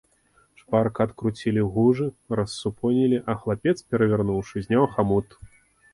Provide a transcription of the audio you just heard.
Шпарка адкруцілі гужы, рассупонілі, а хлапец, перавярнуўшы, зняў хамут.